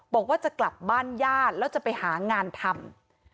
บอกว่าจะกลับบ้านญาติแล้วจะไปหางานทำ